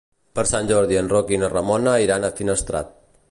Per Sant Jordi en Roc i na Ramona iran a Finestrat.